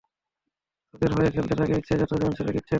তোদের হয়ে খেলতে যাকে ইচ্ছা, যতো জন ছেলেকে ইচ্ছা ডাক।